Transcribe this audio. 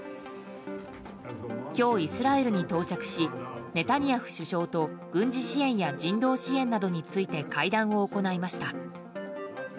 今日、イスラエルに到着しネタニヤフ首相と軍事支援や人道支援などについて会談を行いました。